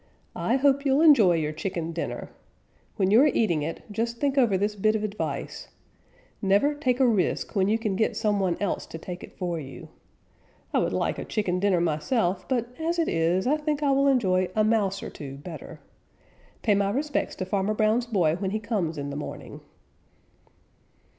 "I hope you'll enjoy your chicken dinner. When you are eating it, just think over this bit of advice: Never take a risk when you can get some one else to take it for you. I would like a chicken dinner myself, but as it is, I think I will enjoy a Mouse or two better. Pay my respects to Farmer Brown's boy when he comes in the morning."